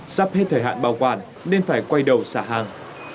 sắp hết thời hạn bảo quản nên phải quay đầu xả hàng